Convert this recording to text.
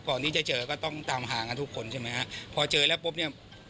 ก่อนที่จะเจอก็ต้องตามหากันทุกคนใช่ไหมฮะพอเจอแล้วปุ๊บเนี่ย